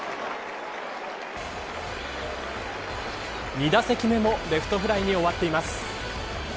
２打席目もレフトフライに終わっています。